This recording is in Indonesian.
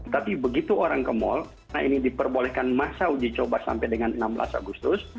tapi begitu orang ke mal nah ini diperbolehkan masa uji coba sampai dengan enam belas agustus